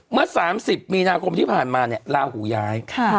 เมื่อ๓๐มีนาคมที่ผ่านมาเนี่ยลาหูย้าย